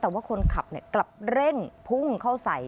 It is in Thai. แต่ว่าคนขับกลับเร่งพุ่งเข้าใส่